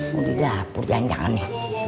mau di dapur jangan jangan ya